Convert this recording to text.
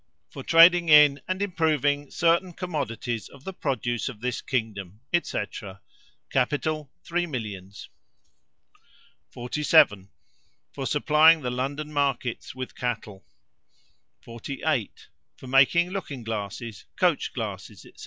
For trading in and improving certain commodities of the produce of this kingdom, &c. Capital three millions. 47. For supplying the London markets with cattle. 48. For making looking glasses, coach glasses, &c.